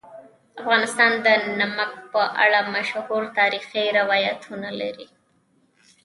افغانستان د نمک په اړه مشهور تاریخی روایتونه لري.